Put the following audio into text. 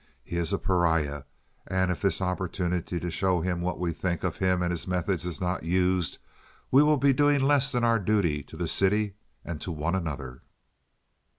He is a pariah, and if this opportunity to show him what we think of him and his methods is not used we will be doing less than our duty to the city and to one another."